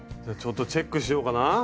じゃあちょっとチェックしようかな。